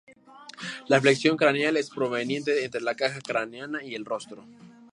La flexión craneal es prominente entre la caja craneana y el rostro.